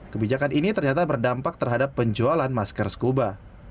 kebijakan ini ternyata berdampak terhadap penjualan masker scuba